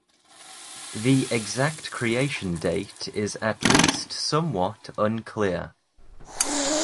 The exact creation date is at least somewhat unclear.